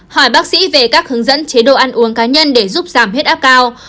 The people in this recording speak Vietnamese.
hỏi bác sĩ về các hướng dẫn chế độ ăn uống cá nhân để giúp giảm huyết áp cao